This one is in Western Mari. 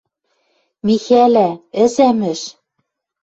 Михӓлӓ!.. Ӹзӓмӹш!..